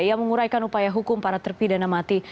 ia menguraikan upaya hukum para terpidana mati